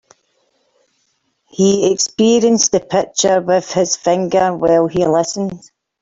He experienced the pictures with his fingers while he listened.